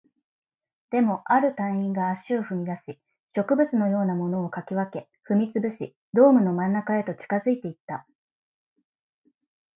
でも、ある隊員が足を踏み出し、植物のようなものを掻き分け、踏み潰し、ドームの真ん中へと近づいていった